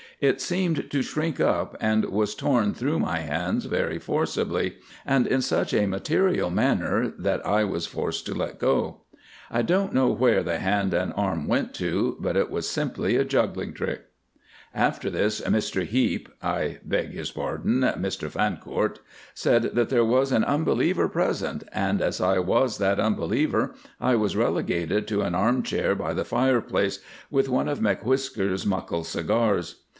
It seemed to shrink up, and was torn through my hands very forcibly, and in such a material manner that I was forced to let go. I don't know where the hand and arm went to, but it was simply a juggling trick. After this "Mr Heep" (I beg his pardon, Mr Fancourt) said that there was an unbeliever present, and as I was that unbeliever I was relegated to an armchair by the fireplace with one of M'Whisker's muckle cigars.